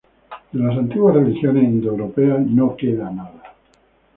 De las antiguas religiones indoeuropeas no queda nada.